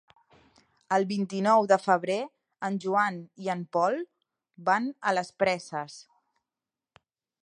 El vint-i-nou de febrer en Joan i en Pol van a les Preses.